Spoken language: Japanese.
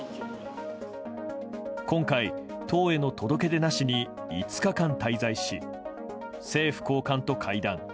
今回、党への届け出なしに５日間滞在し政府高官と会談。